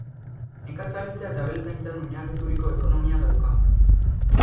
Nekazaritza eta abeltzaintzan oinarrituriko ekonomia dauka.